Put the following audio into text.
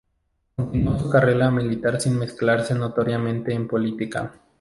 Continuó su carrera militar sin mezclarse notoriamente en política.